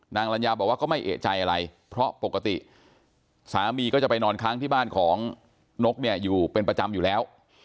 ลัญญาบอกว่าก็ไม่เอกใจอะไรเพราะปกติสามีก็จะไปนอนค้างที่บ้านของนกเนี่ยอยู่เป็นประจำอยู่แล้ว